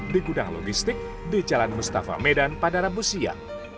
di gudang logistik di jalan mustafa medan padarabusia